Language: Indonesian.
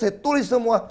saya tulis semua